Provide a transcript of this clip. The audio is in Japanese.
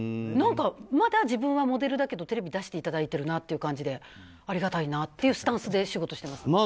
まだ、自分はモデルだけどテレビに出していただいている感じでありがたいなというスタンスで仕事しています。